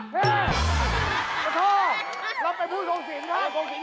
พ่อเราไปพูดโภงสินค่ะ